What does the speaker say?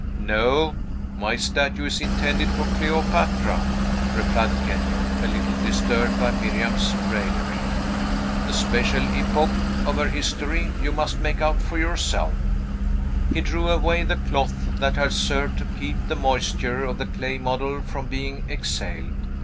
"No; my statue is intended for Cleopatra," replied Kenyon, a little disturbed by Miriam's raillery. "The special epoch of her history you must make out for yourself." He drew away the cloth that had served to keep the moisture of the clay model from being exhaled.